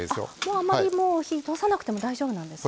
あまり火通さなくても大丈夫なんですね。